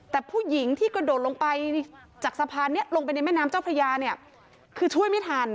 แต่ผู้หญิงที่กระโดดลงไปจากสะพานนี้ลงไปในแม่น้ำเจ้าพระยาเนี่ยคือช่วยไม่ทัน